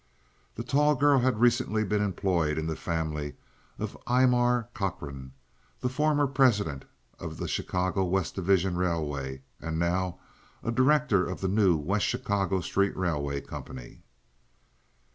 The tall girl had recently been employed in the family of Aymar Cochrane, the former president of the Chicago West Division Railway, and now a director of the new West Chicago Street Railway Company.